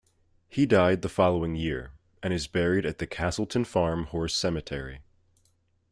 He died the following year, and is buried at the Castleton Farm horse cemetery.